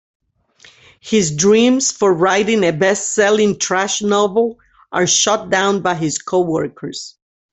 His dreams for writing a best-selling trash novel are shot down by his co-workers.